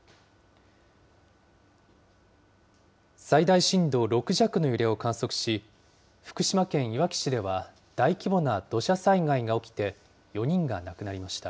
最大震度６弱の揺れを観測し、福島県いわき市では、大規模な土砂災害が起きて、４人が亡くなりました。